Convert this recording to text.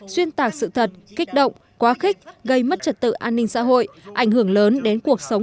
xuyên tạc sự thật kích động quá khích gây mất trật tự an ninh xã hội ảnh hưởng lớn đến cuộc sống